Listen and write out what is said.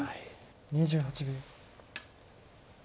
２８秒。